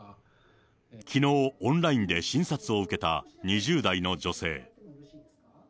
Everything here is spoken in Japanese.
きのう、オンラインで診察を受けた２０代の女性。